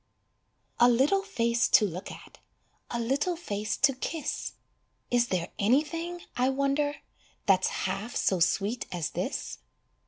A little face to look at, A little face to kiss; Is there anything, I wonder, That's half so sweet as this?